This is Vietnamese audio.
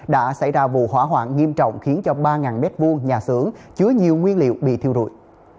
đã xảy ra vụ hỏa hoạn nghiêm trọng khiến cho ba m hai nhà xưởng chứa nhiều nguyên liệu bị thiêu rụi